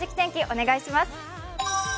お願いします。